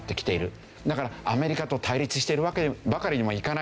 だからアメリカと対立しているばかりにもいかない。